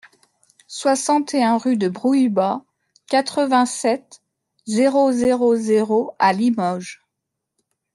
soixante et un rue de Brouillebas, quatre-vingt-sept, zéro zéro zéro à Limoges